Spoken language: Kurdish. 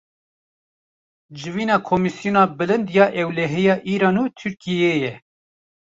Civîna komîsyona bilind ya ewlehiya Îran û Tirkiyeyê